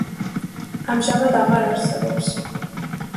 ამჟამად აღარ არსებობს.